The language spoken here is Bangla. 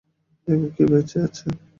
দেখো কে বেঁচে আছে!